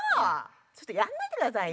ちょっとやんないで下さいよ。